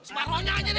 semaronya aja deh